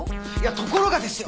ところがですよ